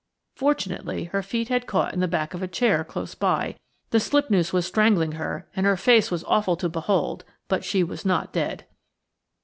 Fortunately, her feet had caught in the back of a chair close by; the slip noose was strangling her, and her face was awful to behold, but she was not dead.